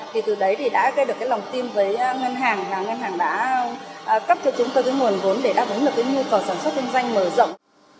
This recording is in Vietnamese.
thì từ đấy đã gây được lòng tim với ngân hàng và ngân hàng đã cấp cho chúng tôi nguồn vốn để đáp ứng được nhu cầu sản xuất kinh doanh mở rộng